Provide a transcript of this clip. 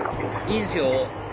いいですよ